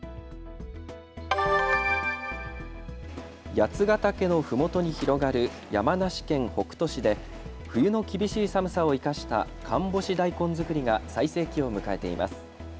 八ヶ岳のふもとに広がる山梨県北杜市で冬の厳しい寒さを生かした寒干し大根作りが最盛期を迎えています。